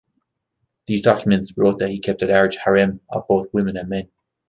These documenters wrote that he kept a large harem of both women and men.